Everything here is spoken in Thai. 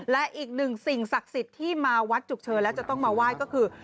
และอีกหนึ่งสิ่งศักดิ์สิทธิ์ที่มาวัดจุกเชิญแล้วจะต้องมาไหว้ก็คือ